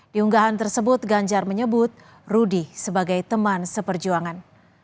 di unggahan tersebut ganjar menyebut rudy sebagai teman seperjuangan